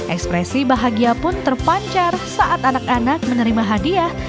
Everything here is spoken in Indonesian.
ekspresi bahagia pun terpancar saat anak anak menerima hadiah